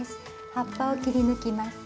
葉っぱを切り抜きます。